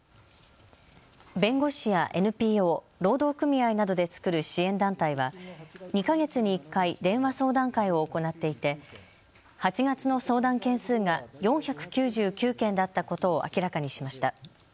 弁護士やＮＰＯ、労働組合などで作る支援団体は２か月に１回、電話相談会を行っていて８月の相談件数が４９９件だったことを明らかにしました。